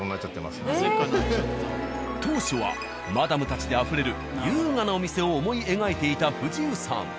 当初はマダムたちであふれる優雅なお店を思い描いていた藤生さん。